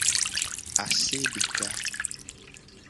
Ase deka.